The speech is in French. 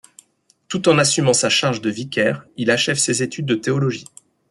Tout en assumant sa charge de vicaire, il achève ses études de théologie.